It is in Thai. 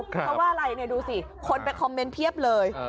เพราะว่าอะไรดูสิคนไปคอมเมนต์เพียบเลย